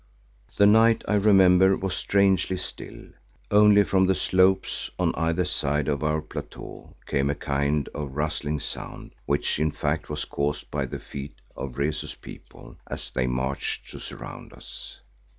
The night, I remember, was strangely still, only from the slopes on either side of our plateau came a kind of rustling sound which in fact was caused by the feet of Rezu's people, as they marched to surround us.